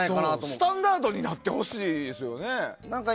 スタンダードになってほしいですよね。